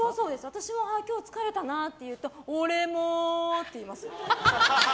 私も、今日疲れたなって言うと俺も！って言います。